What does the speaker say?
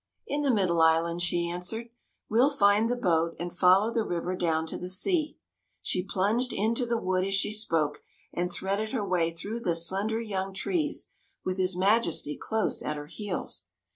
" In the middle island," she answered. "We'll find the boat and follow the river down to the sea." She plunged into the wood as she spoke, and threaded her way through the slender young trees, with his 32 THE MAGICIAN'S TEA PARTY Majesty close at her heels.